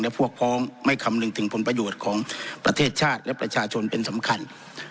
และพวกพ้องไม่คำนึงถึงผลประโยชน์ของประเทศชาติและประชาชนเป็นสำคัญ